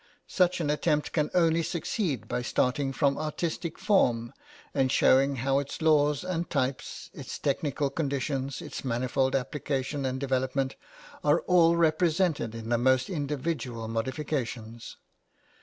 Such an attempt can only succeed by starting from artistic form, and showing how its laws and types, its technical conditions, its manifold application and development, are all represented in the most individual modifications.